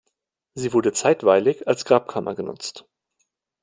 Sie wurde zeitweilig als Grabkammer genutzt.